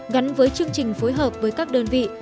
gắn với chương trình phối hợp với các đơn vị